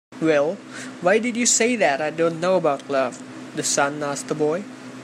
"Well, why did you say that I don't know about love?" the sun asked the boy.